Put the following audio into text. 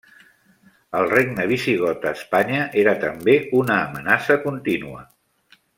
El regne visigot a Espanya era també una amenaça contínua.